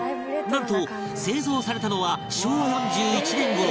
なんと製造されたのは昭和４１年頃